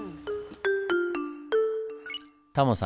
タモさん